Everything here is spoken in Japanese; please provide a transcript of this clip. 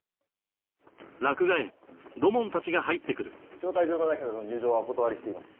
招待状のない方の入場はお断りしています。